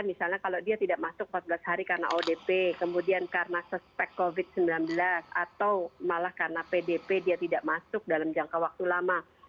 misalnya kalau dia tidak masuk empat belas hari karena odp kemudian karena suspek covid sembilan belas atau malah karena pdp dia tidak masuk dalam jangka waktu lama